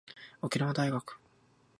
沖縄大学